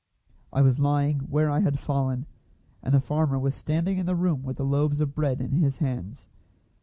I was lying where I had fallen, and the farmer was standing in the room with the loaves of bread in his hands.